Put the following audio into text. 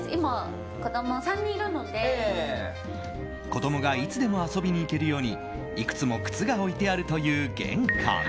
子供がいつでも遊びに行けるようにいくつも靴が置いてあるという玄関。